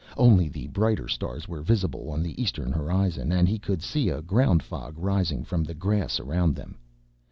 Only the brighter stars were visible on the eastern horizon and he could see a ground fog rising from the grass around them.